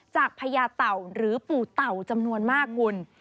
พญาเต่าหรือปู่เต่าจำนวนมากคุณ